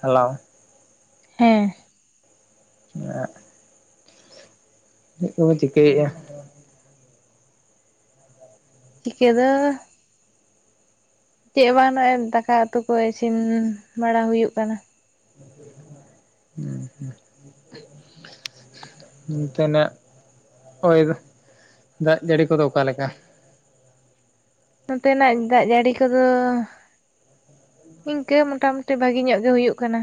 Hello ᱦᱮᱸ [unintelligible] ᱪᱮᱫ ᱠᱚᱯᱮ ᱪᱤᱠᱟᱹᱭ ᱭᱟ? ᱪᱤᱠ ᱫᱚ ᱪᱮᱫ ᱵᱟᱝ ᱱᱚᱜᱚᱭ ᱫᱟᱠᱟ ᱩᱛᱩ ᱠᱚ ᱤᱥᱤᱱ ᱵᱟᱲᱟ ᱦᱩᱭᱩᱜ ᱠᱟᱱᱟ᱾ [unintelligible] ᱦᱮᱸ ᱦᱮᱸ ᱚᱱᱛᱮᱱᱟᱜ ᱦᱚᱭ ᱫᱟᱜ ᱡᱟᱹᱲᱤ ᱠᱚᱫᱚ ᱚᱠᱟᱞᱮᱠᱟ? ᱱᱚᱛᱮᱱᱟᱜ ᱫᱟᱜ ᱡᱟᱹᱲᱤ ᱠᱚᱫᱚ ᱤᱱᱠᱟᱹ ᱢᱚᱴᱟ ᱢᱩᱩᱴᱤ ᱵᱷᱟᱜᱮ ᱧᱚᱜ ᱜᱮ ᱦᱩᱭᱩᱜᱭ ᱠᱟᱱᱟ᱾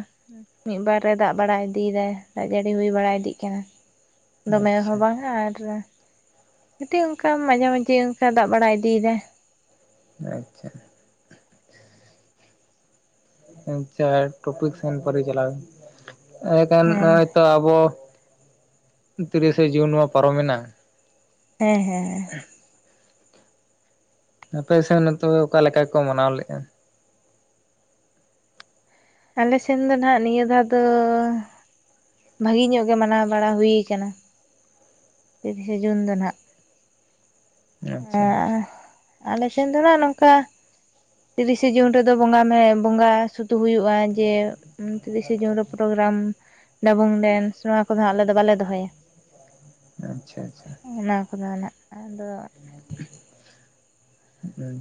ᱢᱤᱫᱵᱟᱨ ᱨᱮ ᱫᱟᱜ ᱵᱟᱲᱟᱭ ᱤᱫᱤᱭᱮᱫᱟᱭ ᱫᱟᱜ ᱡᱟᱹᱲᱤ ᱦᱩᱭ ᱵᱟᱲᱟᱭ ᱤᱫᱤᱜ ᱠᱟᱱᱟ᱾ ᱫᱚᱢᱮ ᱦᱚ ᱟᱪᱪᱷᱟ ᱵᱟᱝᱟ ᱟᱨ ᱠᱟᱹᱴᱤᱡ ᱚᱱᱠᱟ ᱢᱟᱡᱷᱮ ᱢᱟᱡᱷᱮ ᱚᱱᱠᱟ ᱫᱟᱜ ᱵᱟᱲᱟ ᱤᱫᱤᱭᱮᱫᱟ᱾ ᱟᱪᱪᱷᱟ ᱟᱪᱪᱷᱟ ᱴᱚᱯᱤᱠ ᱥᱮ ᱯᱟᱨᱤ ᱪᱟᱞᱟᱣ ᱮᱸᱠᱷᱟᱱ ᱦᱮᱸ ᱱᱚᱜᱼᱚᱭ ᱛᱚ ᱟᱵᱚ ᱛᱤᱨᱤᱥᱮ ᱡᱩᱱ ᱱᱚᱣᱟ ᱯᱟᱨᱚᱢᱮᱱᱟ᱾ ᱦᱮᱸ ᱦᱮᱸ ᱦᱮᱸ ᱟᱯᱮ ᱥᱮᱱ ᱛᱚ ᱚᱠᱟ ᱞᱮᱠᱟ ᱠᱚ ᱢᱟᱱᱟᱣ ᱞᱮᱫᱼᱟ? ᱟᱞᱮ ᱥᱮᱱ ᱫᱚ ᱱᱟᱦᱟᱜ ᱱᱤᱭᱟᱹ ᱫᱷᱟᱣ ᱫᱚ ᱵᱷᱟᱜᱮ ᱧᱚᱜ ᱜᱮ ᱢᱟᱱᱟᱣ ᱵᱟᱲᱟ ᱦᱩᱭ ᱠᱟᱱᱟᱱᱟ ᱛᱤᱨᱤᱥᱮ ᱡᱩᱱ ᱫᱚ ᱦᱟᱜ᱾ ᱟᱻ ᱟᱪᱪᱷᱟ ᱟᱞᱮ ᱥᱮᱱ ᱫᱚ ᱟᱸᱜ ᱱᱚᱝᱠᱟ, ᱛᱤᱨᱤᱥᱮ ᱡᱩᱱ ᱨᱮᱫᱚ ᱵᱚᱸᱜᱟ ᱢᱮ ᱵᱚᱸᱜᱟ ᱥᱩᱫᱩ ᱦᱩᱭᱩᱜᱼᱟ ᱡᱮ- ᱛᱤᱨᱤᱥᱮ ᱡᱩᱱ ᱨᱮ ᱯᱨᱳᱜᱨᱟᱢ ᱰᱟᱵᱩᱝ ᱰᱮᱱᱥ ᱱᱚᱣᱟ ᱠᱚᱫᱚ ᱟᱞᱮ ᱫᱚ ᱵᱟᱞᱮ ᱫᱚᱦᱚᱭᱟ᱾ ᱦ ᱚᱱᱟ ᱠᱚᱫᱚ ᱦᱟᱸᱱᱟᱜ ᱟᱫᱚ,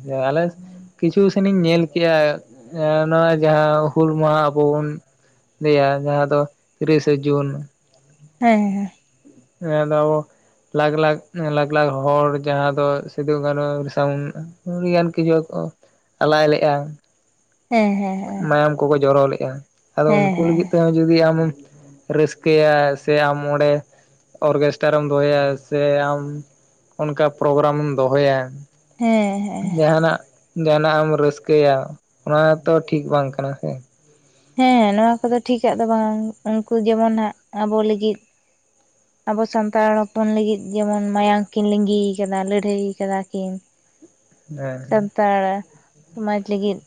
ᱦᱮ ᱟᱞᱮ ᱠᱤᱪᱷᱩ ᱥᱮᱱᱤᱧ ᱧᱮᱞ ᱠᱮᱜᱼᱟ ᱱᱚᱣᱟ ᱡᱟᱦᱟᱸ ᱦᱩᱞ ᱢᱟᱦᱟ ᱟᱵᱚ ᱵᱩᱱ ᱞᱟᱹᱭᱟ ᱡᱟᱦᱟᱸ ᱫᱚ ᱛᱤᱨᱤᱥᱮ ᱡᱩᱱ, ᱦᱮᱸᱻ [unintelligible] ᱞᱟᱠᱷ ᱞᱟᱠᱷ ᱞᱟᱠᱷ ᱞᱟᱠᱷ ᱦᱚᱲ ᱡᱟᱦᱟᱸ ᱫᱚ ᱥᱤᱫᱩ ᱠᱟᱱᱩ ᱥᱟᱩᱱ ᱟᱹᱰᱤᱜᱟᱱ ᱠᱤᱪᱷᱩ ᱠᱚ ᱟᱞᱟᱭ ᱞᱮᱜᱼᱟ᱾ ᱦᱮᱸ ᱦᱮᱸ ᱢᱟᱭᱟᱢ ᱠᱚᱠᱚ ᱡᱚᱨᱚ ᱞᱮᱫᱼᱟ ᱟᱫᱚ ᱦᱮᱸ ᱩᱱᱠᱩ ᱦᱮᱸ ᱞᱟᱹᱜᱤᱫ ᱛᱮ ᱡᱩᱫᱤ ᱟᱢᱮ ᱨᱟᱹᱥᱠᱟᱹᱭᱟ ᱥᱮ ᱟᱢ ᱚᱸᱰᱮ ᱚᱨᱜᱮᱥᱴᱟᱨᱮᱢ ᱫᱚᱦᱚᱭᱟ ᱥᱮ ᱟᱢ ᱚᱱᱠᱟ ᱯᱨᱳᱜᱨᱟᱢ ᱮᱢ ᱫᱚᱦᱚᱭᱟ, ᱦᱮᱸ ᱦᱮᱸ ᱡᱟᱦᱱᱟᱜ ᱡᱟᱦᱟᱸᱱᱟᱜ ᱮᱢ ᱨᱟᱹᱥᱠᱟᱹᱭᱟ ᱚᱱᱟ ᱛᱚ ᱴᱷᱤᱠ ᱵᱟᱝ ᱠᱟᱱᱟ ᱥᱮ᱾ ᱦᱮᱸ ᱱᱚᱣᱟ ᱠᱚᱫᱚ ᱴᱷᱤᱠᱟᱜ ᱫᱚ ᱵᱟᱝ ᱩᱱᱠᱩ ᱡᱮᱢᱚᱱ ᱦᱟᱸᱜ ᱟᱵᱚ ᱞᱟᱹᱜᱤᱫ, ᱟᱵᱚ ᱥᱟᱱᱛᱟᱲ ᱦᱚᱯᱚᱱ ᱞᱟᱹᱜᱤᱫ ᱡᱮᱢᱚᱱ ᱢᱟᱭᱟᱝ ᱠᱤᱱ ᱞᱤᱸᱜᱤᱭ ᱠᱟᱫᱟ ᱞᱟᱹᱲᱦᱟᱹᱭ ᱠᱟᱫᱟ ᱠᱤᱱ᱾ ᱦᱮᱸ ᱥᱟᱱᱛᱟᱲ ᱥᱚᱢᱟᱡᱽ ᱞᱟᱹᱜᱤᱫ,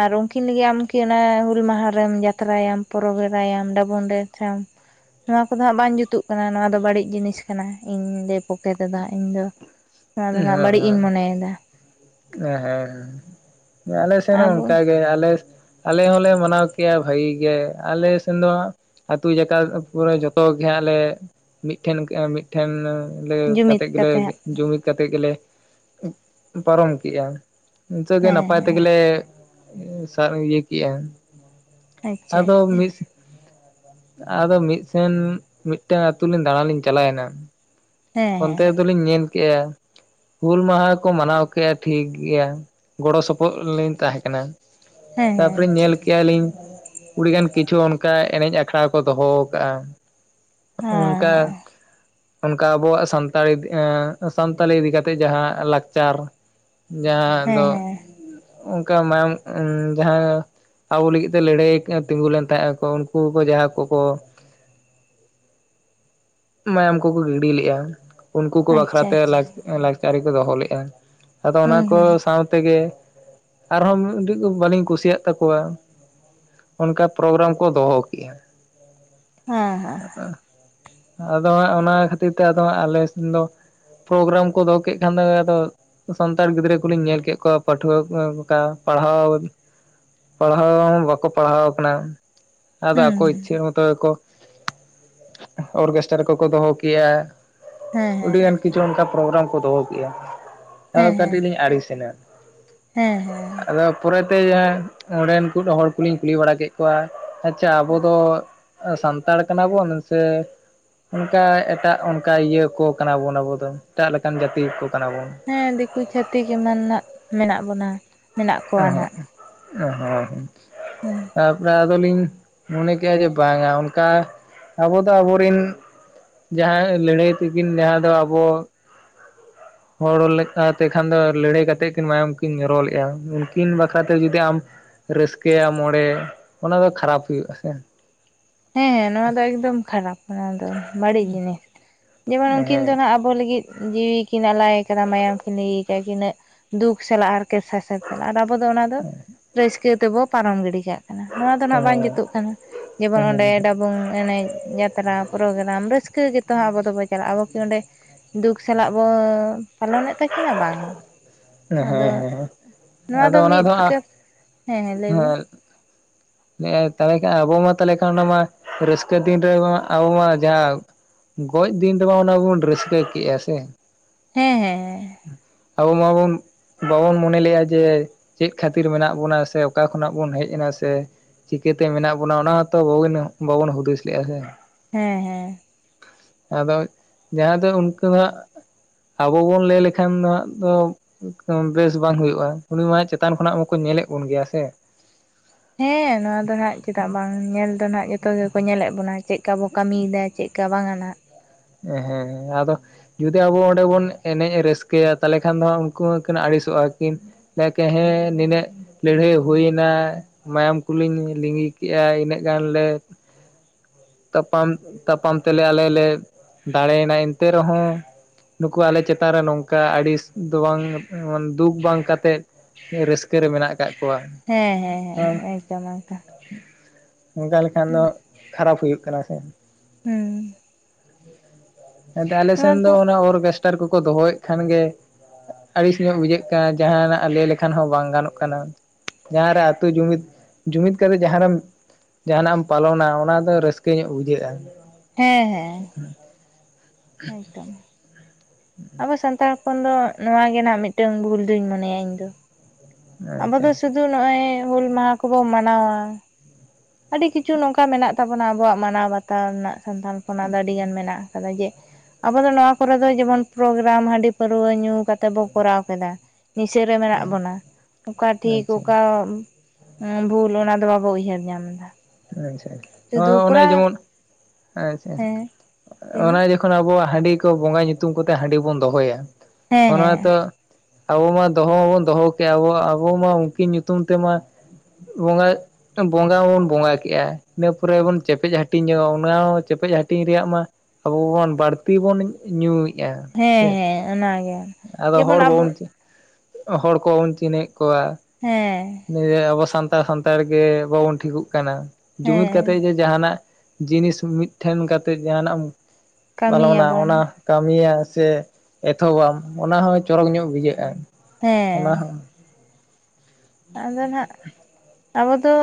ᱟᱨ ᱩᱱᱠᱤᱱ ᱞᱟᱹᱜᱤᱫᱜ ᱟᱢᱠᱤ ᱚᱱᱟ ᱦᱩᱞ ᱢᱟᱦᱟᱨᱮᱢ ᱡᱟᱛᱨᱟᱭᱟᱢ ᱯᱚᱨᱚᱵᱽ ᱮᱨᱟᱭᱟᱢ ᱰᱟᱵᱩᱝ ᱰᱮᱱᱥ ᱟᱢ? ᱱᱚᱣᱟ ᱠᱚᱫᱚ ᱦᱟᱸᱜ ᱵᱟᱝ ᱡᱩᱛᱩᱜ ᱠᱟᱱᱟ ᱱᱚᱣᱟ ᱫᱚ ᱵᱟᱹᱲᱤᱡ ᱡᱤᱱᱤᱥ ᱠᱟᱱᱟ ᱤᱧ ᱞᱮ ᱯᱚᱠᱚᱠᱮ ᱛᱮᱫᱟ ᱤᱧ ᱫᱚ, ᱱᱚᱣᱟ ᱫᱚ ᱦᱮᱸ ᱱᱟᱜ ᱦᱮᱸ ᱵᱟᱹᱲᱤᱡ ᱤᱧ ᱦᱮᱸ ᱢᱚᱱᱮᱭᱮᱫᱟ᱾ ᱦᱮᱸ ᱦᱮᱸ ᱟᱞᱮ ᱥᱮᱫ ᱦᱚᱸ ᱟᱵᱚ ᱚᱱᱠᱟᱜᱮ, ᱟᱞᱮ ᱟᱞᱮ ᱦᱚᱸᱞᱮ ᱢᱟᱱᱟᱣ ᱠᱮᱭᱟ ᱵᱷᱟᱹᱜᱤ ᱜᱮ ᱟᱞᱮ ᱥᱮᱱ ᱫᱚ, ᱟᱹᱛᱩ ᱡᱟᱠᱟ ᱠᱚᱨᱮ ᱡᱚᱛᱚᱜ ᱜᱮᱦᱟᱸᱜ ᱞᱮ ᱢᱤᱫᱴᱷᱮᱱ ᱢᱤᱫ ᱴᱷᱮᱱ ᱞᱮ ᱡᱩᱢᱤᱫ ᱠᱟᱛᱮᱫ ᱜᱮᱞᱮ ᱠᱟᱛᱮ ᱦᱟᱸᱜ ᱡᱩᱢᱤᱫ ᱠᱟᱛᱮᱫ ᱜᱮᱞᱮ ᱯᱟᱨᱚᱢ ᱠᱤᱜᱼᱟ, ᱤᱱᱠᱟᱹᱜᱮ ᱦᱮᱸ ᱱᱟᱯᱟᱭ ᱛᱮᱜᱮ ᱦᱮᱸ ᱞᱮ ᱥᱟ ᱤᱭᱟᱹ ᱠᱮᱜᱼᱟ᱾ ᱟᱪᱪᱷᱟ ᱟᱫᱚ ᱟᱪᱪᱷᱟ ᱢᱤᱥ ᱟᱫᱚ ᱢᱤᱫᱥᱮᱱ ᱢᱤᱫᱴᱮᱱ ᱟᱹᱛᱩ ᱞᱤᱧ ᱫᱟᱬᱟᱱ ᱞᱤᱧ ᱪᱟᱞᱟᱣᱮᱱᱟ᱾ ᱦᱮᱸ ᱦᱮᱸ ᱚᱱᱛᱮ ᱫᱚᱞᱤᱧ ᱧᱮᱞ ᱠᱮᱜᱼᱟ, ᱦᱩᱞ ᱢᱟᱦᱟ ᱠᱚ ᱢᱟᱱᱟᱣ ᱠᱮᱜᱼᱟ ᱴᱷᱤᱠ ᱜᱮᱭᱟ ᱜᱚᱲᱚ ᱥᱚᱯᱚᱦ ᱞᱤᱧ ᱛᱟᱦᱮᱸ ᱠᱟᱱᱟ᱾ ᱦᱮᱸ ᱦᱮᱸ ᱛᱟᱨᱯᱚᱨᱮ ᱟᱪᱪᱷᱟ ᱧᱮᱞ ᱠᱮᱜᱼᱟ ᱞᱤᱧ ᱠᱩᱲᱤ ᱜᱟᱱ ᱠᱤᱪᱷᱩ ᱚᱱᱠᱟ ᱮᱱᱮᱡ ᱟᱠᱷᱲᱟ ᱠᱚ ᱫᱚᱦᱚᱣ ᱠᱟᱜᱼᱟ᱾ ᱩᱱᱠᱟ ᱦᱮᱸ ᱚᱱᱠᱟ ᱟᱵᱚᱣᱟᱜ ᱥᱟᱱᱛᱟᱲᱤ ᱥᱟᱱᱛᱟᱞᱤ ᱤᱫᱤ ᱠᱟᱛᱮᱫ ᱡᱟᱦᱟᱸ ᱞᱟᱠᱪᱟᱨ ᱡᱟᱦᱟᱸ ᱦᱮᱸ ᱫᱚ ᱦᱮᱸ ᱚᱱᱠᱟ ᱢᱟᱭᱟᱢ ᱡᱟᱦᱟᱸ ᱟᱵᱩ ᱞᱟᱹᱜᱤᱫ ᱛᱮ ᱞᱟᱹᱲᱦᱟᱹᱭ ᱛᱤᱸᱜᱩ ᱞᱮᱱ ᱛᱟᱦᱮᱸ ᱟᱠᱚ ᱩᱱᱠᱩ ᱠᱚ ᱡᱟᱦᱟᱸ ᱠᱚᱠᱚ ᱢᱟᱭᱟᱢ ᱠᱚᱠᱚ ᱜᱤᱰᱤ ᱞᱮᱜᱼᱟ, ᱩᱱᱠᱩ ᱠᱩ ᱟᱪᱪᱷᱟ ᱵᱟᱠᱷᱨᱟᱛᱮ ᱟᱪᱪᱷᱟ ᱞᱟᱠᱥ ᱞᱟᱠᱪᱟᱨᱤ ᱠᱚ ᱫᱚᱦᱚ ᱞᱮᱜᱼᱟ᱾ ᱟᱫᱚ ᱚᱱᱟ ᱦᱩᱸ ᱠᱚ ᱦᱩᱸ ᱥᱟᱶᱛᱮᱜᱮ, ᱟᱨᱦᱚᱸ ᱩ ᱩᱰᱤᱡ ᱫᱚ ᱵᱟᱹᱞᱤᱧ ᱠᱩᱥᱤᱭᱟᱜ ᱛᱟᱠᱚᱣᱟ᱾ ᱚᱱᱠᱟ ᱯᱨᱳᱜᱨᱟᱢ ᱠᱚ ᱫᱚᱦᱚ ᱠᱮᱜᱼᱟ᱾ ᱦᱮᱸ ᱦᱮᱸ᱾ ᱟᱫᱚ ᱦᱟᱸᱜ ᱚᱱᱟ ᱠᱷᱟᱹᱛᱤᱨ ᱛᱮ ᱟᱫᱚ ᱦᱟᱸᱜ ᱟᱞᱮ ᱥᱮᱱ ᱫᱚ ᱯᱨᱳᱜᱨᱟᱢ ᱠᱚ ᱫᱚᱦᱚ ᱠᱮᱫ ᱠᱷᱟᱱ ᱫᱚᱭ ᱟᱫᱚ ᱥᱟᱱᱛᱟᱲ ᱜᱤᱫᱽᱨᱟᱹ ᱠᱚᱞᱤᱧ ᱧᱮᱞ ᱠᱮᱫ ᱠᱚᱣᱟ ᱯᱟᱹᱴᱷᱩᱣᱟᱹ ᱠᱚ ᱚᱱᱠᱟ ᱯᱟᱲᱦᱟᱣ ᱯᱟᱲᱦᱟᱣ ᱦᱚᱸ ᱵᱟᱠᱚ ᱯᱟᱲᱦᱟᱣ ᱠᱟᱱᱟ ᱟᱫᱚ ᱦᱩᱸ ᱟᱠᱚ ᱤᱪᱪᱷᱟᱹ ᱢᱚᱛᱚ ᱜᱮ ᱠᱚ ᱚᱨᱠᱮᱥᱴᱟᱨ ᱠᱚᱠᱚ ᱫᱚᱦᱚ ᱠᱮᱜᱼᱟ᱾ ᱦᱮᱸ ᱦᱮᱸ ᱟᱹᱰᱤᱜᱟᱱ ᱟᱪᱪᱷᱟ ᱠᱤᱪᱷᱩ ᱚᱱᱠᱟ ᱯᱨᱳᱜᱨᱟᱢ ᱠᱚ ᱫᱚᱦᱚ ᱠᱮᱜᱼᱟ᱾ ᱟᱫᱚ ᱦᱮᱸ ᱦᱮᱸ ᱠᱟᱹᱴᱤᱡ ᱞᱤᱧ ᱟᱹᱲᱤᱥᱮᱱᱟ᱾ ᱦᱮᱸ ᱦᱮᱸ᱾ ᱟᱫᱚ ᱯᱚᱨᱮᱛᱮ, ᱚᱸᱰᱮᱱ ᱠᱩᱜ ᱦᱚᱲ ᱠᱚᱞᱤᱧ ᱠᱩᱞᱤ ᱵᱟᱲᱟ ᱠᱮᱫ ᱠᱚᱣᱟ᱾ ᱟᱪᱪᱷᱟ ᱟᱵᱚ ᱫᱚ ᱥᱟᱱᱛᱟᱲ ᱠᱟᱱᱟᱵᱚᱱ ᱥᱮ ᱚᱱᱠᱟ ᱮᱴᱟᱜ ᱚᱱᱠᱟ ᱤᱭᱟᱹ ᱠᱚ ᱠᱟᱱᱟ ᱵᱚᱱ ᱟᱵᱩ ᱫᱚ ᱮᱴᱟᱜ ᱞᱮᱠᱟᱱ ᱡᱟᱹᱛᱤ ᱠᱚ ᱠᱟᱱᱟ ᱵᱚᱱ᱾ ᱦᱮᱸ ᱫᱤᱠᱩ ᱪᱷᱟᱹᱛᱤᱠ ᱮᱢᱟᱱ ᱱᱟᱜ ᱢᱮᱱᱟᱜ ᱵᱚᱱᱟ᱾ ᱢᱮᱱᱟᱜ ᱠᱚᱣᱟ ᱚᱸᱦᱚᱜ, ᱚᱸᱷᱚᱸ ᱫᱩᱧ ᱦᱩᱸ᱾ ᱛᱟᱯᱚᱨᱮ ᱟᱫᱚᱞᱤᱧ ᱢᱚᱱᱮ ᱠᱮᱜᱼᱟ ᱡᱮ ᱵᱟᱝᱟ ᱚᱱᱠᱟ ᱟᱵᱚ ᱫᱚ ᱟᱵᱚᱨᱤᱱ ᱡᱟᱦᱟᱸᱭᱟᱜ ᱞᱟᱹᱲᱦᱟᱹᱭ ᱛᱤᱠᱤᱱ ᱡᱟᱦᱟᱸ ᱫᱚ ᱟᱵᱚ ᱦᱚᱲ ᱞᱮᱠᱟᱛᱮ ᱠᱷᱟᱱ ᱫᱚ ᱞᱟᱹᱲᱦᱟᱹᱭ ᱠᱟᱛᱮᱫ ᱠᱤᱱ ᱢᱟᱭᱟᱢ ᱠᱤᱱ ᱡᱚᱨᱚ ᱞᱮᱜᱼᱟ ᱩᱱᱠᱤᱱ ᱵᱟᱠᱷᱨᱟ ᱛᱮ ᱡᱩᱫᱤ ᱟᱢ ᱨᱟᱹᱥᱠᱟᱹᱭᱟᱢ ᱚᱬᱮ, ᱚᱱᱟ ᱫᱚ ᱠᱷᱟᱨᱟᱯ ᱦᱩᱭᱩᱜᱼᱟ ᱥᱮ᱾ ᱦᱮᱸ ᱱᱚᱣᱟ ᱫᱚ ᱮᱠᱫᱚᱢ ᱠᱷᱟᱨᱟᱯ ᱱᱚᱣᱟ ᱫᱚ ᱵᱟᱹᱲᱤᱡ ᱡᱤᱱᱤᱥ ᱡᱮᱢᱚᱱ ᱦᱮᱸ ᱩᱱᱠᱤᱱ ᱫᱚᱱ ᱦᱟᱸᱜ ᱟᱵ ᱵᱚ ᱞᱟᱹᱜᱤᱫ ᱡᱤᱣᱤ ᱠᱤᱱ ᱟᱞᱟᱭ ᱟᱠᱟᱫᱟ ᱢᱟᱭᱟᱢ ᱠᱤᱱ ᱞᱟᱹᱭᱤ ᱠᱤᱜᱼᱟ ᱛᱤᱱᱟᱹᱜ ᱫᱩᱠ ᱥᱟᱞᱟᱜ ᱦᱟᱨᱠᱮᱛ ᱥᱟᱥᱮ ᱥᱟᱥᱮ ᱟᱨ ᱟᱵᱚ ᱫᱚ ᱚᱱᱟ ᱫᱚ ᱨᱟᱹᱥᱠᱟᱹ ᱛᱮᱵᱚ ᱯᱟᱨᱚᱢ ᱜᱤᱰᱤ ᱠᱟᱜ ᱠᱟᱱᱟ, ᱱᱚᱣᱟ ᱫᱚᱱ ᱦᱟᱸᱜ ᱵᱟᱝ ᱡᱩᱛᱩᱜ ᱠᱟᱱᱟ ᱡᱮᱢᱚᱱ ᱚᱱ ᱦᱮᱸ ᱵᱚᱝ ᱮᱱᱮᱡ ᱡᱟᱛᱨᱟ ᱯᱨᱳᱜᱨᱟᱢ ᱨᱟᱹᱥᱠᱟᱹ ᱜᱮᱛᱚ ᱦᱟᱸᱜ ᱟᱵᱚ ᱫᱚᱵᱚ ᱪᱟᱞᱟᱜᱼᱟ, ᱟᱵᱚ ᱠᱤ ᱚᱸᱰᱮ ᱫᱩᱠ ᱥᱟᱞᱟᱜ ᱵᱚ ᱯᱟᱞᱚᱱᱮᱜ ᱛᱟᱹᱠᱤᱱᱟ ᱵᱟᱝ᱾ ᱟᱫᱚ, ᱦᱮᱸ ᱦᱮᱸ ᱱᱚᱣᱟ ᱟᱫᱚ ᱫᱚ ᱚᱱᱟ ᱢᱤᱫ ᱦᱮᱸ ᱠᱟᱹᱯ ᱦᱮᱸ ᱦᱮᱸ ᱞᱟᱹᱭ ᱵᱮᱱ ᱛᱟᱦᱚᱞᱮ ᱠᱷᱟᱱ ᱟᱵᱚ ᱢᱟ ᱛᱟᱦᱚᱞᱮ ᱠᱷᱟᱱ ᱚᱱᱟ ᱢᱟ ᱨᱟᱹᱥᱠᱟᱹ ᱫᱤᱱ ᱨᱮ ᱢᱟ ᱟᱵᱚ ᱢᱟ ᱡᱟᱣ ᱜᱚᱡ ᱫᱤᱱ ᱨᱮᱢᱟ ᱚᱱᱟ ᱜᱮᱵᱚᱱ ᱨᱟᱹᱥᱠᱟᱹ ᱠᱮᱜᱼᱟ ᱥᱮ᱾ ᱦᱮᱸ ᱦᱮᱸ ᱦᱮᱸ᱾ ᱟᱵᱚ ᱢᱟᱵᱚᱱ ᱵᱟᱵᱚᱱ ᱢᱚᱱᱮ ᱞᱮᱜᱼᱟ ᱡᱮ ᱪᱮᱫ ᱠᱷᱟᱹᱛᱤᱨ ᱢᱮᱱᱟᱜ ᱵᱚᱱᱟ ᱥᱮ ᱚᱠᱟ ᱠᱷᱚᱱᱟᱜ ᱵᱚᱱ ᱦᱮᱡ ᱮᱱᱟ ᱥᱮ ᱪᱤᱠᱟᱹᱛᱮ ᱢᱮᱱᱟᱜ ᱵᱚᱱᱟ ᱚᱱᱟ ᱦᱚᱸᱛᱚ ᱵᱷᱚᱜᱚᱱᱳ ᱵᱟᱵᱚᱱ ᱦᱩᱫᱤᱥ ᱞᱮᱜᱼᱟ ᱥᱮ᱾ ᱦᱮᱸ ᱦᱮᱸ᱾ ᱟᱫᱚ ᱡᱟᱦᱟᱸ ᱫᱚ ᱩᱱᱠᱩᱫ ᱦᱟᱸᱜ ᱟᱵᱚ ᱵᱚᱱ ᱞᱟᱹᱭ ᱞᱮ ᱠᱷᱟᱱ ᱫᱚ ᱦᱟᱸᱜ ᱫᱚ ᱵᱮᱥ ᱵᱟᱝ ᱦᱩᱭᱩᱜᱼᱟ ᱩᱱᱤ ᱢᱟ ᱪᱮᱛᱟᱱ ᱠᱷᱚᱱᱟᱜ ᱢᱟᱠᱚ ᱧᱮᱞᱮᱫ ᱵᱚᱱ ᱜᱮᱭᱟ ᱥᱮ᱾ ᱦᱮᱸ ᱱᱚᱣᱟ ᱫᱚ ᱦᱟᱸᱜ ᱪᱮᱫᱟᱜ ᱵᱟᱝ ᱧᱮᱞ ᱫᱚᱱ ᱦᱟᱸᱜ ᱡᱚᱛᱚ ᱜᱮᱠᱚ ᱧᱮᱞᱮᱫ ᱵᱚᱱᱟ ᱪᱮᱫᱠᱟ ᱵᱚ ᱠᱟᱹᱢᱤᱭᱫᱟ ᱪᱮᱫ ᱪᱟᱵᱟᱝᱟ ᱱᱟᱦᱟᱜ᱾ ᱦᱮᱸ ᱦᱮᱸ, ᱟᱫᱚ ᱡᱩᱫᱤ ᱟᱵᱚ ᱚᱸᱰᱮ ᱵᱚᱱ ᱮᱱᱮᱡ ᱨᱟᱹᱥᱠᱟᱹᱭᱟ ᱛᱟᱦᱚᱞᱮ ᱠᱷᱟᱱ ᱫᱚ ᱦᱟᱸᱜ ᱩᱱᱠᱩ ᱦᱚᱸᱠᱤᱱ ᱟᱹᱲᱤᱥᱚᱜᱼᱟ ᱠᱤᱱ᱾ ᱞᱮᱠᱚ ᱦᱮᱸ ᱱᱤᱱᱟᱹᱜ ᱞᱟᱹᱲᱦᱟᱹᱭ ᱦᱩᱭᱱᱟ, ᱢᱟᱭᱟᱢ ᱠᱚᱞᱤᱧ ᱞᱤᱸᱜᱤ ᱠᱮᱫᱮᱜᱼᱟ, ᱤᱱᱟᱹᱜ ᱜᱟᱱᱞᱮ ᱛᱟᱯᱟᱢ, ᱛᱟᱯᱟᱢ ᱛᱮᱞᱮ ᱟᱞᱮ ᱞᱮ ᱫᱟᱲᱮᱭᱮᱱᱟ ᱮᱱᱛᱮ ᱨᱮᱦᱚᱸ ᱱᱩᱠᱩ ᱟᱞᱮ ᱪᱮᱛᱟᱱ ᱨᱮ ᱱᱚᱝᱠᱟ ᱟᱹᱰᱤᱥ ᱫᱚ ᱵᱟᱝ ᱫᱩᱠ ᱵᱟᱝ ᱠᱟᱛᱮᱜ ᱛᱤᱱᱟᱹᱜ ᱨᱟᱹᱥᱠᱟᱹ ᱨᱮ ᱢᱮᱱᱟᱜ ᱟᱠᱟᱜ ᱠᱚᱣᱟ᱾ ᱦᱮᱸ ᱦᱮᱸ ᱮᱠᱫᱚᱢ ᱮᱠᱫᱚᱢ ᱚᱱᱠᱟ ᱞᱮᱠᱷᱟᱱ ᱫᱚ ᱠᱷᱟᱨᱟᱯ ᱦᱩᱭᱩᱜ ᱠᱟᱱᱟ ᱥᱮ᱾ ᱦᱩᱸ, ᱮᱱᱛᱮ ᱟᱞᱮ ᱥᱮᱱ ᱫᱚ ᱚᱱᱟ ᱚᱨᱜᱮᱥᱴᱟᱨ ᱠᱚᱠᱚ ᱫᱚᱦᱚᱭᱮᱫ ᱠᱷᱟᱱ ᱜᱮ ᱟᱹᱲᱤᱥ ᱧᱚᱜ ᱵᱩᱡᱷᱟᱹᱜ ᱠᱟᱱᱟ, ᱡᱟᱦᱟᱱᱟᱜ ᱞᱟᱹᱭ ᱞᱮᱠᱷᱟᱱ ᱦᱚᱸ ᱵᱟᱝ ᱜᱟᱱᱚᱜ ᱠᱟᱱᱟ᱾ ᱡᱟᱦᱟᱸ ᱨᱮ ᱟᱛᱳ ᱡᱩᱢᱤᱫ, ᱡᱩᱢᱤᱫ ᱠᱟᱛᱮᱫ ᱡᱟᱦᱟᱸᱨᱮᱢ ᱡᱟᱦᱟᱱᱟᱜ ᱮᱢ ᱯᱟᱞᱚᱱᱟ ᱚᱱᱟ ᱫᱚ ᱨᱟᱹᱥᱠᱟᱹ ᱧᱚᱜ ᱵᱩᱡᱷᱟᱹᱜᱼᱟ᱾ ᱦᱮᱸ ᱦᱮᱸ᱾ [inaudible] ᱦᱳᱭ ᱛᱚ᱾ ᱟᱵᱚ ᱥᱟᱱᱛᱟᱲ ᱦᱚᱯᱚᱱ ᱫᱚ ᱱᱚᱣᱟ ᱜᱮ ᱱᱟᱜ ᱢᱤᱫᱴᱮᱝ ᱵᱷᱩᱞ ᱫᱳᱧ ᱢᱚᱱᱮᱭᱟ ᱤᱧ ᱫᱚ᱾ ᱟᱵᱚ ᱟᱪᱪᱷᱟ ᱫᱚ ᱥᱩᱫᱩ ᱱᱚᱜᱼᱚᱭ ᱦᱩᱞ ᱢᱟᱦᱟ ᱠᱚᱵᱚ ᱢᱟᱱᱟᱣᱟ᱾ ᱟᱹᱰᱤ ᱠᱤᱪᱷᱩ ᱱᱚᱝᱠᱟ ᱢᱮᱱᱟᱜ ᱛᱟᱵᱚᱱᱟ ᱟᱵᱚᱣᱟᱜ ᱢᱟᱱᱟᱣ ᱵᱟᱼᱼ ᱛᱟᱣ ᱨᱮᱱᱟᱜ ᱥᱟᱱᱛᱟᱞ ᱦᱚᱯᱚᱱᱟᱜ ᱫᱚ ᱟᱹᱰᱤᱜᱟᱱ ᱢᱮᱱᱟᱜ ᱠᱟᱫᱟ ᱡᱮ, ᱟᱵᱚ ᱫᱚ ᱱᱚᱣᱟ ᱠᱚᱨᱮ ᱫᱚ ᱡᱮᱢᱚᱱ ᱯᱨᱳᱜᱮᱨᱟᱢ ᱦᱟᱺᱰᱤ ᱯᱟᱹᱨᱟᱹᱣᱟᱹ ᱧᱩ ᱠᱟᱛᱮ ᱵᱚ ᱠᱚᱨᱟᱣ ᱠᱮᱫᱟ᱾ ᱱᱤᱥᱟᱹᱨᱮ ᱢᱮᱱᱟᱜ ᱵᱚᱱᱟ ᱚᱠᱟ ᱴᱷᱤᱠ ᱟᱪᱪᱷᱟ ᱚᱠᱟ ᱵᱷᱩᱞ ᱚᱱᱟᱫᱚ ᱵᱟᱵᱚ ᱩᱭᱦᱟᱹᱨ ᱧᱟᱢ ᱫᱟ᱾ ᱟᱪᱪᱷᱟ, ᱚᱻᱱᱮ ᱡᱮᱢᱚᱱ ᱟᱪᱷᱟ, ᱦᱮᱸ ᱞᱟᱹᱭ ᱟ ᱢᱮ ᱚᱱᱮ ᱡᱚ ᱡᱚᱠᱷᱚᱱ ᱟᱵᱚᱣᱟᱜ ᱦᱟᱺᱰᱤ ᱠᱚ ᱵᱚᱸᱜᱟ ᱧᱩᱛᱩᱢᱛᱮ ᱦᱟᱺᱰᱤ ᱵᱚᱱ ᱫᱚᱦᱚᱭᱟ᱾ ᱦᱮᱸ ᱚᱱᱟ ᱢᱟ ᱦᱮᱸ ᱛᱚ ᱟᱵᱚ ᱢᱟ ᱫᱚᱦᱚ ᱦᱚᱸᱵᱚᱱ ᱫᱚᱦᱚ ᱠᱮᱜ ᱟᱵᱚ ᱟᱵᱚ ᱢᱟ ᱩᱱᱠᱤᱱ ᱧᱩᱛᱩᱢ ᱛᱮᱢᱟ ᱵᱚᱸᱜᱟ, ᱵᱚᱸᱜᱟ ᱦᱚᱸ ᱵᱚᱱ ᱵᱚᱸᱜᱟᱭ ᱠᱮᱜᱼᱟ᱾ ᱤᱱᱟᱹ ᱯᱚᱨᱮ ᱵᱚᱱ ᱪᱮᱯᱮᱡ ᱦᱟᱹᱴᱤᱧ ᱧᱚᱜᱼᱟ ᱚᱱᱟ ᱦᱚᱸ ᱪᱮᱯᱮᱡ ᱦᱟᱹᱴᱤᱧ ᱨᱮᱭᱟᱜ ᱢᱟ ᱟᱵᱚ ᱵᱚᱱ ᱵᱟᱹᱲᱛᱤ ᱵᱚᱱ ᱧᱩᱭᱮᱫᱼᱟ᱾ ᱦᱮᱸ ᱦᱮᱸ, ᱚᱱᱟᱜᱮ᱾ ᱟᱫᱚ ᱡᱮᱢᱚᱱ ᱦᱚᱲ ᱟᱵᱚ ᱵᱟᱵᱚᱱ ᱦᱚᱲ ᱠᱚ ᱵᱟᱵᱚᱱ ᱪᱤᱱᱦᱟᱹᱭᱮᱫ ᱠᱚᱣᱟ᱾ ᱦᱮᱸ᱾ ᱮᱭ ᱟᱵᱚ ᱥᱟᱱᱛᱟᱲ ᱥᱟᱱᱛᱟᱲ ᱜᱮ ᱵᱟᱵᱚᱱ ᱴᱷᱤᱠᱚᱜ ᱠᱟᱱᱟ ᱡᱩᱢᱤᱫ ᱠᱟᱛᱮ ᱦᱮᱸ ᱜᱮ ᱡᱟᱦᱟᱱᱟᱜ ᱡᱤᱱᱤᱥ ᱢᱤᱫ ᱛᱷᱮᱱ ᱠᱟᱛᱮᱜ ᱡᱟᱦᱟᱱᱟᱜ ᱮᱢ ᱯᱟᱞᱚᱱᱟ ᱠᱟᱹᱢᱤᱭᱟᱵᱚᱱ ᱚᱱᱟ ᱠᱟᱹᱢᱤᱭᱟ ᱥᱮ ᱮᱛᱷᱚᱵᱟᱢ ᱚᱱᱟ ᱦᱚᱸ ᱪᱚᱨᱚᱠ ᱧᱚᱜ ᱵᱩᱡᱷᱟᱹᱜᱼᱟ᱾ ᱦᱮᱸ᱾ ᱚᱱᱟ ᱦᱚᱸ᱾ ᱟᱫᱚ ᱱᱟᱦᱟᱜ, ᱟᱵᱚ ᱫᱚ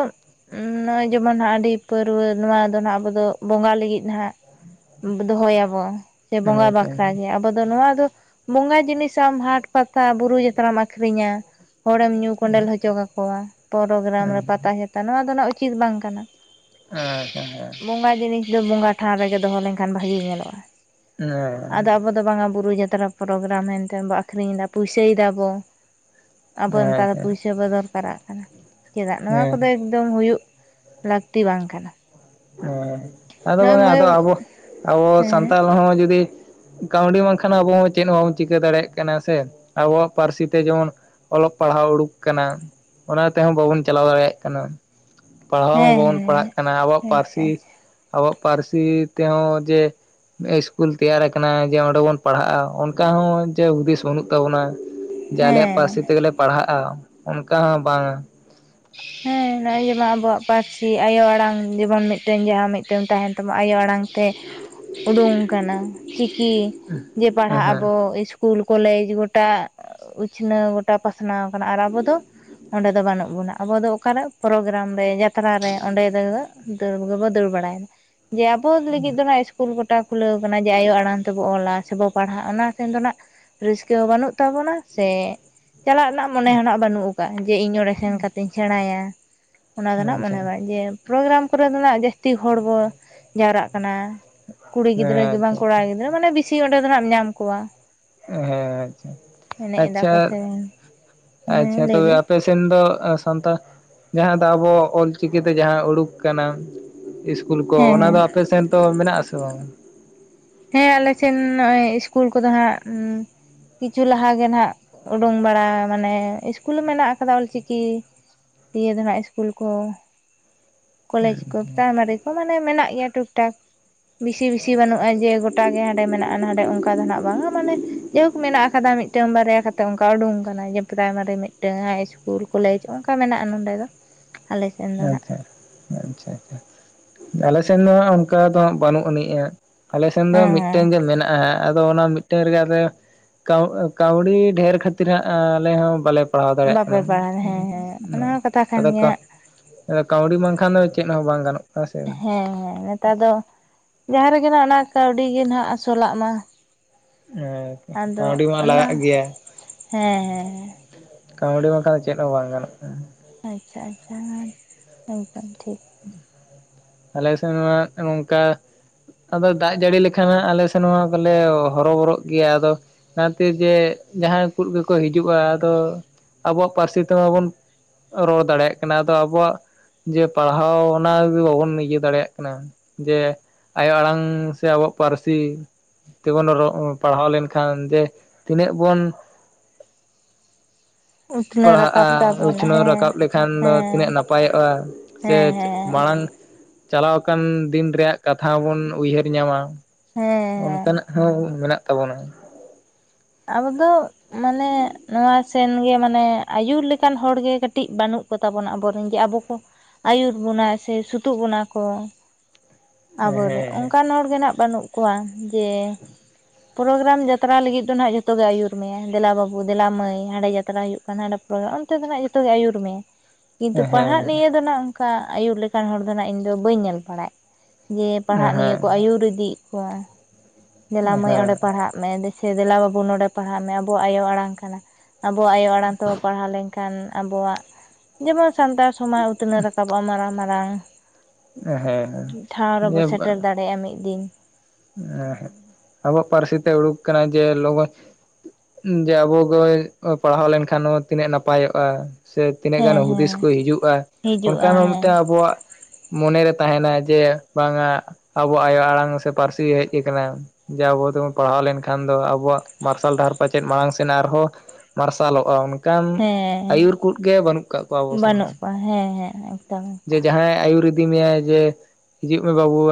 ᱱᱚᱜᱼᱚᱭ ᱡᱮᱢᱚᱱ ᱦᱟᱸᱜ ᱟᱹᱰᱤ ᱯᱟᱹᱨᱣᱟᱹ ᱱᱚᱣᱟ ᱫᱚ ᱦᱟᱸᱜ ᱟᱵᱚ ᱫᱚ ᱵᱚᱸᱜᱟ ᱞᱟᱹᱜᱤᱫ ᱦᱟᱸᱜ, ᱫᱚᱦᱚᱭᱟᱵᱚ ᱥᱮ ᱵᱚᱸᱜᱟ ᱟᱪᱪᱷᱟ ᱵᱟᱠᱷᱟᱨᱟᱜᱮ ᱟᱵᱚ ᱫᱚ ᱱᱚᱣᱟ ᱫᱚ ᱵᱚᱸᱜᱟ ᱡᱤᱱᱤᱥ ᱟᱢ ᱦᱟᱴᱼᱼ ᱯᱟᱛᱟ ᱵᱩᱨᱩ ᱡᱟᱛᱨᱟᱢ ᱟᱠᱷᱨᱤᱧᱟ ᱦᱚᱲᱮᱢ ᱧᱩᱼᱼ ᱠᱚᱸᱰᱮᱞ ᱦᱚᱪᱚ ᱠᱟᱠᱚᱣᱟ ᱯᱨᱳᱜᱟᱨᱟᱢ ᱨᱮ ᱟᱪᱪᱷᱟ ᱯᱟᱛᱟ ᱪᱟᱛᱟ ᱱᱚᱣᱟ ᱫᱚ ᱱᱟᱦᱟᱜ ᱩᱪᱤᱛ ᱵᱟᱝ ᱠᱟᱱᱟ᱾ ᱟᱪᱪᱷᱟ ᱵᱚᱸᱜᱟ ᱡᱤᱱᱤᱥ ᱫᱚ ᱵᱚᱸᱜᱟ ᱴᱷᱟᱶ ᱨᱮᱜᱮ ᱫᱚᱦᱚ ᱞᱮᱱᱠᱷᱟᱱ ᱵᱷᱟᱜᱮ ᱧᱮᱞᱚᱜᱼᱟ᱾ ᱦᱮᱸ᱾ ᱟ ᱫᱚ ᱵᱟᱝ ᱵᱩᱨᱩ ᱡᱟᱛᱨᱟ ᱯᱨᱳᱜᱟᱨᱟᱢ ᱢᱮᱱᱛᱮ ᱦᱚᱸ ᱵᱚ ᱟᱠᱷᱨᱤᱧ ᱫᱟ ᱯᱩᱭᱥᱟᱹᱭ ᱫᱟ ᱵᱚ᱾ ᱟᱵᱚ ᱦᱮᱸ ᱱᱮᱛᱟᱨ ᱫᱚ ᱟᱪᱪᱷᱟ ᱯᱩᱭᱥᱟᱹ ᱵᱚ ᱫᱚᱨᱠᱟᱨᱟᱜ ᱠᱟᱱᱟ᱾ ᱪᱮᱫᱟᱜ ᱱᱚᱣᱟ ᱦᱮᱸ ᱠᱚᱫᱚ ᱮᱠᱫᱚᱢ ᱦᱩᱭᱩᱜ ᱞᱟᱹᱠᱛᱤ ᱵᱟᱝ ᱠᱟᱱᱟ᱾ ᱦᱮᱸ, ᱟᱫᱚ ᱱᱚᱜᱼᱚᱭ ᱵᱟᱝᱟ ᱢᱟᱹᱭ ᱟᱫᱚ ᱟᱵᱚ ᱟᱵᱚ ᱦᱮᱸ ᱥᱟᱱᱛᱟᱞ ᱦᱚᱸ ᱡᱩᱫᱤ ᱠᱟᱹᱣᱰᱤ ᱵᱟᱝᱠᱷᱟᱱ ᱟᱵᱚ ᱦᱚᱸ ᱪᱮᱫ ᱦᱚᱸ ᱵᱟᱵᱚᱱ ᱪᱤᱠᱟᱹ ᱫᱟᱲᱮᱭᱟᱜ ᱠᱟᱱᱟ ᱥᱮ ᱟᱵᱚᱣᱟᱜ ᱯᱟᱹᱨᱥᱤ ᱛᱮ ᱡᱮᱢᱚᱱ ᱚᱞᱚᱜ ᱯᱟᱲᱦᱟᱣ ᱩᱰᱩᱠ ᱠᱟᱱᱟ ᱚᱱᱟ ᱛᱮᱦᱚᱸ ᱵᱟᱵᱚᱱ ᱪᱟᱞᱟᱣ ᱫᱟᱲᱮᱭᱟᱜ ᱠᱟᱱᱟ᱾ ᱯᱟᱲᱦᱟᱣ ᱦᱚᱸ ᱦᱮᱸ ᱵᱟᱵᱚᱱ ᱦᱮᱸ ᱯᱟᱲᱦᱟᱜ ᱠᱟᱱᱟ ᱟᱵᱚᱣᱟᱜ ᱯᱟᱹᱨᱥᱤ ᱟᱪᱪᱷᱟ ᱟᱪᱪᱷᱟ ᱟᱵᱚᱣᱟᱜ ᱯᱟᱹᱨᱥᱤ ᱛᱮᱦᱚᱸ ᱡᱮᱻᱻ ᱤᱥᱠᱩᱞ ᱛᱮᱭᱟᱨ ᱟᱠᱟᱱᱟ ᱡᱮ ᱚᱸᱰᱮ ᱵᱚᱱ ᱯᱟᱲᱦᱟᱜᱼᱟ ᱚᱱᱠᱟ ᱦᱚᱸ ᱡᱮ ᱦᱩᱫᱤᱥ ᱵᱟᱹᱱᱩᱜ ᱛᱟᱵᱚᱱᱟ᱾ ᱡᱮ ᱟᱞᱮᱭᱟᱜ ᱦᱮᱸ ᱯᱟᱹᱨᱥᱤ ᱛᱮᱜᱮᱞᱮ ᱯᱟᱲᱦᱟᱜᱼᱟ ᱚᱱᱠᱟ ᱦᱚᱸ ᱵᱟᱝᱼᱟ᱾ ᱦᱮᱸ ᱱᱚᱼᱚᱭ ᱡᱮᱢᱚᱱ ᱟᱵᱚᱣᱟᱜ ᱯᱟᱹᱨᱥᱤ ᱟᱭᱳ ᱟᱲᱟᱝ ᱡᱮᱢᱚᱱ ᱢᱤᱫᱴᱮᱱ ᱡᱟᱦᱟᱸ ᱢᱤᱫᱴᱮᱱ ᱛᱟᱦᱮᱱ ᱛᱟᱢᱟ ᱟᱭᱳ ᱟᱲᱟᱝ ᱛᱮ, ᱩᱰᱩᱝ ᱠᱟᱱᱟ ᱪᱤᱠᱤ ᱡᱮ ᱦᱮᱸ ᱯᱟᱲᱦᱟᱜ ᱦᱮᱸ ᱟᱵᱚ ᱥᱠᱩᱞ ᱠᱚᱞᱮᱡᱽ ᱜᱚᱴᱟ ᱩᱪᱷᱱᱟᱹᱣ ᱜᱚᱴᱟ ᱯᱟᱥᱱᱟᱣ ᱟᱠᱟᱱᱟ ᱟᱨ ᱟᱵᱚ ᱫᱚ ᱚᱸᱰᱮ ᱫᱚ ᱵᱟᱹᱱᱩᱜ ᱵᱚᱱᱟ ᱟᱵᱚ ᱫᱚ ᱚᱠᱟᱨᱮ ᱯᱨᱳᱜᱨᱟᱢ ᱨᱮ ᱡᱟᱛᱨᱟ ᱨᱮ ᱚᱸᱰᱮ ᱫᱚ ᱫᱟᱹᱲ ᱜᱮᱠᱚ ᱫᱟᱹᱲ ᱵᱟᱲᱟᱭᱟ ᱡᱮ ᱟᱵᱚ ᱞᱟᱹᱜᱤᱫ ᱫᱚ ᱤᱥᱠᱩᱞ ᱠᱚ ᱜᱚᱴᱟ ᱠᱷᱩᱞᱟᱹᱣ ᱠᱟᱱᱟ ᱡᱮ ᱟᱭᱳ ᱟᱲᱟᱝ ᱛᱮᱵᱚ ᱚᱞᱟ, ᱥᱮᱵᱚᱱ ᱯᱟᱲᱦᱟᱜ ᱚᱱᱟ ᱥᱮᱱ ᱫᱚ ᱱᱟᱜ ᱨᱟᱹᱥᱠᱟᱹ ᱦᱚᱸ ᱵᱟᱹᱱᱩ ᱛᱟᱵᱚᱱᱟ ᱥᱮ ᱪᱟᱞᱟᱜ ᱨᱮᱱᱟᱜ ᱢᱚᱱᱮ ᱦᱱᱟᱜ ᱵᱟᱹᱱᱩᱜ ᱠᱟᱜ ᱡᱮ ᱤᱧ ᱚᱸᱰᱮ ᱥᱮᱱ ᱠᱟᱛᱮ ᱤᱧ ᱥᱮᱬᱟᱭᱟ᱾ ᱚᱱᱟ ᱫᱚ ᱱᱟᱜ ᱟᱪᱪᱷᱟ ᱢᱚᱱᱮ ᱦᱮᱸ ᱵᱟᱝ ᱡᱮ ᱯᱨᱳᱜᱨᱟᱢ ᱠᱚᱨᱮ ᱫᱚ ᱱᱟᱜ ᱡᱟᱹᱥᱛᱤ ᱦᱚᱲ ᱵᱚ ᱡᱟᱣᱨᱟᱜ ᱠᱟᱱᱟ᱾ ᱠᱩᱲᱤ ᱜᱤᱫᱽᱨᱟᱹ ᱠᱤ ᱵᱟᱝ ᱟᱪᱪᱷᱟ ᱠᱚᱲᱟ ᱜᱤᱫᱽᱨᱟᱹ ᱢᱟᱱᱮ ᱵᱤᱥᱤ ᱚᱱᱰᱮ ᱫᱚ ᱱᱟᱜ ᱧᱟᱢ ᱠᱚᱣᱟ᱾ ᱦᱮᱸ ᱟᱪᱪᱷᱟ ᱮᱱᱮᱡ ᱮᱫᱟ ᱟᱪᱪᱷᱟ ᱠᱚ ᱥᱮ ᱦᱮᱸ ᱟᱪᱪᱷᱟ ᱞᱟᱹᱭ ᱛᱚᱵᱮ ᱵᱤᱱ ᱟᱯᱮ ᱥᱮᱱ ᱫᱚ ᱥᱟᱱᱛᱟᱲ ᱡᱟᱦᱟᱸ ᱫᱚ ᱟᱵᱚ ᱚᱞᱪᱤᱠᱤᱛᱮ ᱡᱟᱦᱟᱸ ᱩᱰᱩᱠ ᱠᱟᱱᱟ ᱤᱥᱠᱩᱞ ᱠᱚ ᱦᱮᱸ ᱚᱱᱟ ᱫᱚ ᱦᱮᱸ ᱟᱯᱮᱥᱱ ᱫᱚ ᱢᱮᱱᱟᱜ ᱟᱥᱮ ᱵᱟᱝ? ᱦᱮᱸ ᱟᱞᱮᱥᱮᱱ ᱱᱚᱼᱚᱭ ᱥᱤᱥᱠᱩᱞ ᱠᱚᱫᱚ ᱦᱟᱸᱜ ᱠᱤᱪᱷᱩ ᱞᱟᱦᱟᱜᱮ ᱱᱟᱦᱱᱟᱜ ᱩᱰᱩᱝ ᱵᱟᱲᱟ ᱢᱟᱱᱮ ᱤᱥᱠᱩᱞ ᱢᱮᱱᱟᱜ ᱟᱠᱟᱫᱟ ᱚᱞ ᱪᱤᱠᱤ ᱤᱭᱮ ᱫᱚ ᱱᱟᱦ ᱤᱥᱠᱩᱞ ᱠᱚ, ᱠᱚᱞᱮᱡᱽ ᱠᱚ ᱯᱨᱟᱭᱢᱟᱨᱤ ᱠᱚ ᱢᱟᱱᱮ ᱢᱮᱱᱟᱜ ᱜᱮᱭᱟ ᱴᱷᱩᱤᱠᱴᱷᱟᱠ ᱵᱮᱥᱤ ᱵᱮᱥᱤ ᱵᱟᱹᱱᱩᱜᱼᱟ ᱡᱮ ᱜᱚᱴᱟᱜ ᱜᱮ ᱦᱟᱸᱰᱮ ᱢᱮᱱᱟᱜᱼᱟ ᱱᱟᱰᱮ ᱚᱱᱠᱟ ᱫᱚ ᱱᱟᱱᱟᱜ ᱵᱟᱝᱟ ᱢᱟᱱᱮ ᱡᱟᱭᱦᱳᱠ ᱢᱮᱱᱟᱜ ᱟᱠᱟᱫᱟ ᱢᱤᱫᱴᱟᱝ ᱵᱟᱨᱭᱟ ᱠᱟᱛᱮᱜ ᱚᱱᱠᱟ ᱩᱰᱩᱝ ᱟᱠᱟᱱᱟ ᱡᱮ ᱯᱨᱟᱭᱢᱟᱨᱤ ᱢᱤᱫᱴᱟᱝ ᱦᱟᱭ ᱤᱥ ᱠᱩᱞ ᱠᱚᱞᱮᱡᱽ ᱚᱱᱠᱟ ᱢᱮᱱᱟᱼᱟ ᱱᱚᱸᱰᱮ ᱫᱚ᱾ ᱟᱞᱮ ᱥᱮᱱ ᱫᱚ ᱱᱟᱜ ᱟᱪᱪᱷᱟ ᱟᱪᱪᱷᱟ ᱟᱞᱮᱥᱱ ᱫᱚ ᱚᱱᱠᱟ ᱫᱚ ᱦᱟ ᱵᱟᱹᱱᱩᱜ ᱟᱹᱱᱤᱡᱼᱟ, ᱟᱞᱮ ᱥᱮᱱ ᱫᱚ ᱦᱮᱸ ᱦᱮᱸ ᱢᱤᱫᱴᱮᱱ ᱜᱮ ᱢᱮᱱᱟᱜᱼᱟ, ᱟᱫᱚ ᱚᱱᱟ ᱢᱤᱫᱴᱮᱱ ᱨᱮᱜᱮ ᱟᱫᱚ ᱠᱟᱹᱣᱰᱤ ᱰᱷᱮᱨ ᱠᱷᱟᱹᱛᱤᱨ ᱟᱞᱮ ᱦᱚᱸ ᱵᱟᱞᱮ ᱯᱟᱲᱦᱟᱣ ᱫᱟᱲᱮᱭᱟᱜ ᱵᱟᱯᱮ ᱠᱟᱱᱟ ᱯᱟᱲᱦᱟᱣ ᱦᱮᱸ ᱦᱮᱸ ᱚᱱᱟ ᱦᱚᱸ ᱠᱟᱛᱷᱟ ᱠᱟᱱ ᱟᱫᱚ ᱠᱟᱹ ᱜᱮᱭᱟ ᱟᱫᱚ ᱠᱟᱹᱣᱰᱤ ᱵᱟᱝᱠᱷᱟᱱ ᱫᱚ ᱪᱮᱫ ᱦᱚᱸ ᱵᱟᱝ ᱜᱟᱱᱚᱼᱟ ᱥᱮ᱾ ᱦᱮᱸ ᱦᱮᱸ ᱱᱮᱛᱟᱨ ᱫᱚ ᱡᱟᱦᱟᱸ ᱨᱮᱜᱮ ᱱᱟᱦᱟᱸ ᱚᱱᱟ ᱠᱟᱹᱣᱰᱤ ᱜᱮ ᱦᱟᱸᱜ ᱟᱥᱚᱞᱟᱜ ᱢᱟ᱾ [unintelligible] ᱟᱫᱚ ᱢᱟ ᱚᱱᱟ ᱞᱟᱜᱟᱜ ᱜᱮᱭᱟ᱾ ᱦᱮᱸ ᱦᱮᱸ᱾ ᱠᱟᱹᱣᱰᱤ ᱵᱟᱝᱠᱷᱟᱱ ᱫᱚ ᱪᱮᱫ ᱦᱚᱸ ᱵᱟᱝ ᱜᱟᱱᱚᱜᱼᱟ᱾ ᱟᱪᱪᱷᱟ ᱟᱪᱪᱷᱟ ᱮᱱᱠᱷᱟᱱ ᱴᱷᱤᱠ᱾ ᱟᱞᱮ ᱥᱮᱱᱢᱟ ᱚᱱᱠᱟ ᱟᱫᱚ ᱫᱟᱜ ᱡᱟᱹᱲᱤ ᱞᱮᱠᱷᱟᱱ ᱟᱞᱮ ᱥᱮᱱ ᱢᱟ ᱫᱚᱞᱮ ᱦᱚᱨᱚᱚᱵᱚᱨᱚᱜ ᱜᱮᱭᱟ, ᱟᱫᱚ ᱱᱟᱛᱮ ᱡᱮ ᱡᱟᱦᱟᱸᱭ ᱠᱚ ᱜᱮᱠᱚ ᱦᱤᱡᱩᱜᱼᱟ ᱟᱫᱚ ᱟᱵᱚᱣᱟᱜ ᱯᱟᱹᱨᱥᱤ ᱛᱮ ᱢᱟᱵᱚᱱ ᱨᱚᱲ ᱫᱟᱲᱮᱭᱟᱜ ᱠᱟᱱᱟ ᱟᱫᱚ ᱟᱵᱚᱣᱟᱜ ᱡᱮ ᱯᱟᱲᱦᱟᱣ ᱚᱱᱟ ᱜᱮ ᱵᱟᱵᱚᱱ ᱤᱭᱟᱹ ᱫᱟᱲᱮᱭᱟᱜ ᱠᱟᱱᱟ᱾ ᱡᱮ ᱟᱭᱳ ᱟᱲᱟᱝ ᱥᱮ ᱟᱵᱚᱣᱟᱜ ᱯᱟᱹᱨᱥᱤ ᱛᱮᱵᱚᱱ ᱯᱟᱲᱦᱟᱣ ᱞᱮᱱᱠᱷᱟᱱ ᱡᱮ ᱛᱤᱱᱟᱹᱜ ᱵᱚᱱ [inaudible] ᱩᱛᱱᱟᱹᱣ ᱯᱟᱲᱦᱟᱜᱼᱟ ᱨᱟᱠᱟᱵ ᱛᱟᱵᱚᱱᱟ ᱩᱪᱷᱱᱟᱹᱣ ᱦᱮᱸ ᱨᱟᱠᱟᱵ ᱞᱮᱠᱷᱟᱱ ᱫᱚ ᱦᱮᱸ ᱛᱤᱱᱟᱹᱜ ᱱᱟᱯᱟᱭᱚᱜᱼᱟ᱾ ᱥᱮ ᱦᱮᱸ ᱦᱮᱸ ᱢᱟᱲᱟᱝ ᱪᱟᱞᱟᱣ ᱟᱠᱟᱱ ᱫᱤᱱ ᱨᱮᱭᱟᱜ ᱠᱟᱛᱷᱟ ᱦᱚᱸᱵᱚᱱ ᱩᱭᱦᱟᱹᱨ ᱧᱟᱢᱟ᱾ ᱦᱮᱸ ᱦᱮᱸ ᱚᱱᱠᱟᱱᱟ ᱦᱚᱸ ᱢᱮᱱᱟᱜ ᱛᱟᱵᱚᱱᱟ᱾ ᱟᱵᱚᱚ ᱢᱟᱱᱮ ᱱᱚᱣᱟ ᱥᱮᱱᱜᱮ ᱢᱟᱱᱮ ᱟᱭᱩᱨ ᱞᱮᱠᱟᱱ ᱦᱚᱲᱜᱮ ᱠᱟᱹᱴᱤᱡ ᱵᱟᱹᱱᱩᱜ ᱠᱚᱛᱟᱵᱚᱱᱟ ᱟᱵᱚᱨᱮᱱ ᱴ, ᱡᱮ ᱟᱵᱚ ᱠᱚ ᱟᱹᱭᱩᱨ ᱵᱚᱱᱟ ᱥᱮ ᱥᱩᱛᱩᱜ ᱵᱚᱱᱟ ᱠᱚ᱾ [inaudible] ᱟᱵᱚᱨᱮᱱ ᱦᱮᱸ ᱚᱱᱠᱟᱱ ᱦᱚᱲᱜᱮ ᱱᱟᱦ ᱵᱟᱹᱱᱩᱜ ᱠᱚᱣᱟ ᱡᱮ ᱯᱨᱳᱜᱨᱟᱢ ᱡᱟᱛᱨᱟ ᱞᱟᱹᱜᱤᱫ ᱚᱱᱛᱮ ᱫᱚ ᱱᱟᱦᱟ ᱡᱚᱛᱚ ᱜᱮ ᱟᱹᱭᱩᱨ ᱢᱮᱭᱟ ᱫᱮᱞᱟ ᱵᱟᱵᱩ ᱫᱮᱞᱟ ᱢᱟᱹᱭ ᱦᱟᱸᱰᱮ ᱡᱟᱛᱨᱟ ᱦᱩᱭᱩᱜ ᱠᱟᱱᱟ ᱦᱟᱸᱰᱮ ᱯ ᱯᱨᱚᱨ ᱚᱱᱛᱮ ᱫᱚ ᱱᱟᱦᱟᱜ ᱡᱚᱛᱚ ᱜᱮ ᱟᱹᱭᱩᱨ ᱢᱮᱭᱟ᱾ [inaudible] ᱠᱤᱱᱛᱩ ᱯᱟᱲᱦᱟᱜ ᱱᱤᱭᱮ ᱫᱚ ᱱᱟᱜ ᱚᱱᱠᱟ ᱟᱹ ᱟᱭᱩᱨ ᱞᱮᱠᱟᱱ ᱦᱚᱲ ᱫᱚ ᱱᱟᱜ ᱤᱧ ᱫᱚ ᱵᱟᱹᱧ ᱧᱮᱞ ᱵᱟᱲᱟᱭ ᱡᱮ ᱦᱮᱸ ᱯᱟᱲᱦᱟᱜ ᱱᱤᱭᱟᱹ ᱠᱚ ᱟᱹᱭᱩᱨ ᱤᱫᱤᱭᱮᱫ ᱠᱚᱣᱟ ᱫᱮᱞᱟ ᱦᱮᱸ ᱢᱟᱹᱭ ᱚᱸᱰᱮ ᱦᱮᱸ ᱯᱟᱲᱦᱟᱜ ᱢᱮ᱾ ᱥᱮ ᱫᱮᱞᱟ ᱵᱟᱹᱵᱩ ᱱᱚᱰᱮ ᱯᱟᱲᱦᱟᱜ ᱢᱮ, ᱟᱵᱚᱣᱟᱜ ᱟᱭᱳ ᱟᱲᱟᱝ ᱠᱟᱱᱟ᱾ ᱟᱵᱚᱣᱟᱜ ᱟᱭᱳ ᱟᱲᱟᱝ ᱛᱮᱵᱚ ᱯᱟᱲᱦᱟᱣ ᱞᱮᱱᱠᱷᱟᱱ ᱟᱵᱚᱣᱟᱜ ᱡᱮᱢᱚᱱ ᱥᱟᱱᱛᱟᱲ ᱥᱚᱢᱟᱭ ᱩᱛᱱᱟᱹᱣ ᱨᱟᱠᱟᱵᱚᱜᱼᱟ ᱢᱟᱨᱟᱝ ᱢᱟᱨᱟᱝ᱾ ᱴᱷᱟᱶ ᱨᱮᱵᱚ ᱥᱮᱴᱮᱨ ᱦᱮᱸ ᱫᱟᱲᱮᱜᱼᱟ ᱢᱤᱫ ᱫᱤᱱ᱾ [unintelligible] ᱟᱵᱚᱣᱟᱜ ᱯᱟᱹᱨᱥᱤ ᱛᱮ ᱩᱰᱩᱠ ᱠᱟᱱᱟ ᱡᱮ ᱞᱚᱜᱚᱭ ᱡᱮ ᱟᱵᱚ [unintelligible] ᱯᱟᱲᱦᱟᱣ ᱞᱮᱱᱠᱷᱟᱱ ᱦᱚᱸ ᱛᱤᱱᱟᱹᱜ ᱱᱟᱯᱟᱭᱚᱜᱼᱟ ᱥᱮ ᱛᱤᱱᱟᱹᱜ ᱜᱟᱱ ᱦᱮᱸ ᱦᱮᱸ ᱦᱩᱫᱤᱥ ᱠᱚ ᱦᱤᱡᱩᱜᱼᱟ ᱦᱤᱡᱩᱜᱼᱟ ᱚᱱᱠᱟᱱ ᱦᱚᱸ ᱦᱮᱸ ᱢᱤᱫᱴᱟᱱ ᱟᱵᱚᱣᱟᱜ ᱢᱚᱱᱮᱨᱮ ᱛᱟᱦᱮᱱᱟ ᱡᱮ ᱵᱟᱝᱟ ᱟᱵᱚᱣᱟᱜ ᱟᱭᱳ ᱟᱲᱟᱝ ᱥᱮ ᱯᱟᱹᱨᱥᱤ ᱦᱮᱡ ᱠᱟᱱᱟ᱾ ᱡᱮ ᱟᱵᱚ ᱫᱚᱵᱚᱱ ᱯᱟᱲᱦᱟᱣ ᱞᱮᱱᱠᱷᱟᱱ ᱫᱚ ᱟᱵᱚᱣᱟᱜ ᱢᱟᱨᱥᱟᱞ ᱰᱟᱦᱟᱨ ᱯᱟᱪᱮᱫ ᱢᱟᱲᱟᱝ ᱥᱮᱱ ᱟᱨᱦᱚᱸ ᱢᱟᱨᱥᱟᱞᱚᱜᱼᱟ᱾ ᱠᱟᱱ ᱦᱮᱸ ᱟᱹᱭᱩᱨ ᱠᱩᱡ ᱜᱮ ᱵᱟᱹᱱᱩᱜ ᱠᱟᱜ ᱠᱚᱣᱟ ᱟᱵᱚ ᱥᱮᱱ ᱵᱟᱹᱱᱩᱜ ᱠᱚᱣᱟ ᱦᱮᱸ ᱦᱮᱸ ᱮᱠᱫᱚᱢ ᱾ ᱮᱠᱫᱚᱢ ᱡᱮ ᱡᱟᱦᱟᱸᱭ ᱟᱹᱭᱩᱨ ᱤᱫᱤ ᱢᱮᱭᱟᱭ ᱡᱮ ᱦᱤᱡᱩᱜ ᱢᱮ ᱵᱟᱹᱵᱩᱣᱟᱜ